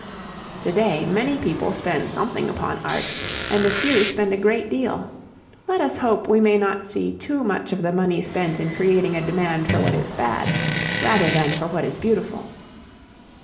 To day many people spend something upon art and a few spend a great deal. Let us hope we may not see too much of the money spent in creating a demand for what is bad rather than for what is beautiful.